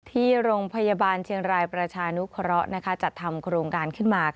ที่โรงพยาบาลเชียงรายประชานุเคราะห์จัดทำโครงการขึ้นมา